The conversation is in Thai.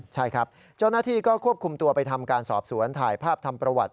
ใช่ครับเจ้าหน้าที่ก็ควบคุมตัวไปทำการสอบสวนถ่ายภาพทำประวัติ